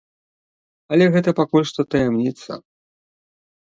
Але гэта пакуль што таямніца.